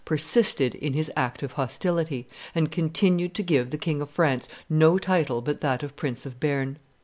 persisted in his active hostility, and continued to give the King of France no title but that of Prince of Bearn.